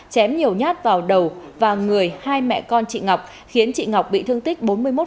chém nhiều nhát vào đầu và người hai mẹ con chị ngọc khiến chị ngọc bị thương tích bốn mươi một